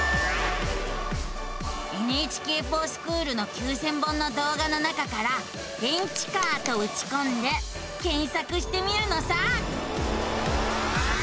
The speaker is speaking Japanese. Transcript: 「ＮＨＫｆｏｒＳｃｈｏｏｌ」の９，０００本の動画の中から「電池カー」とうちこんで検索してみるのさ。